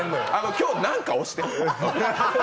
今日、何か押して。